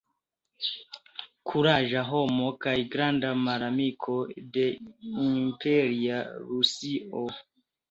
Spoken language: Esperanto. Kuraĝa homo kaj granda malamiko de imperia Rusio.